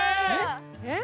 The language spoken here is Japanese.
えっ？